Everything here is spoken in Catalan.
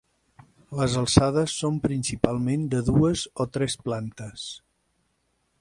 Les alçades són principalment de dues o tres plantes.